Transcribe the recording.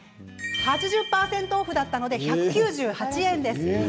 ８０％オフだったので１９８円です。